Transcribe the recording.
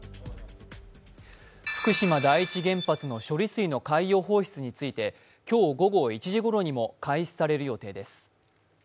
福島第一原発の処理水の海洋放出について今日午後１時ごろにも開始される予定です。